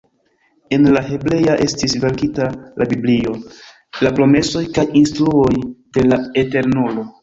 En la hebrea estis verkita la biblio, la promesoj kaj instruoj de la Eternulo.